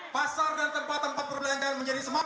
pasar dan tempat tempat perbelanjaan menjadi semangat